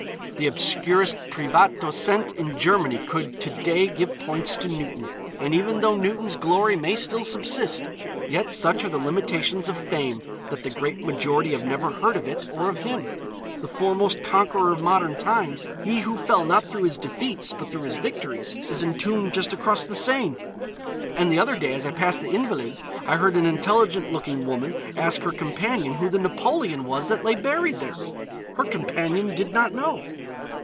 The obscurest privat docent in Germany could to day give points to Newton. And even though Newton's glory may still subsist, yet such are the limitations of fame that the great majority have never heard of it or of him. The foremost conqueror of modern times, he who fell not through his defeats, but through his victories, is entombed just across the Seine. And the other day as I passed the Invalides I heard an intelligent looking woman ask her companion who the Napoleon was that lay buried there. Her companion did not know.